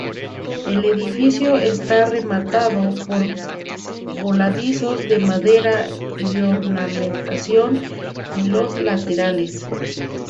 El edificio está rematado por voladizos de madera y ornamentación en los laterales.